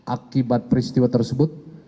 akibat peristiwa tersebut